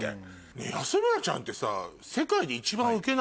ねぇ安村ちゃんってさ。